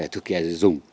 thực hiện dùng